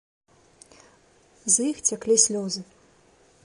З іх цяклі слёзы.